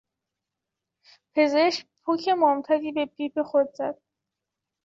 پزشک پک ممتدی به پیپ خود زد.